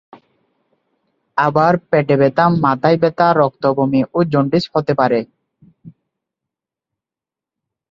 আবার পেটে ব্যথা, মাথায় ব্যথা, রক্ত বমি ও জন্ডিস হতে পারে।